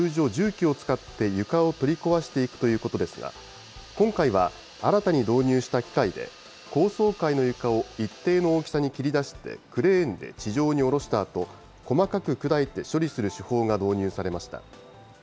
解体工事は通常重機を使って、床を取り壊していくということですが、今回は新たに導入した機械で、高層階の床を一定の大きさに切り出してクレーンで地上に降ろしたあと、細かく砕いて処理する手法が導入されました。